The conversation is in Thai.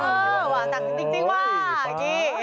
เออเออซักสิทธิ์จริงว่ะ